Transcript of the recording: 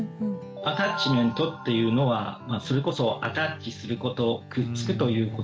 アタッチメントっていうのはそれこそアタッチすることくっつくということです。